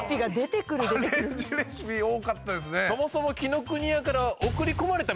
アレンジレシピ多かったですね